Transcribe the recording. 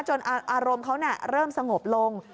อารมณ์เขาเริ่มสงบลง